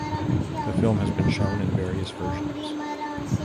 The film has been shown in various versions.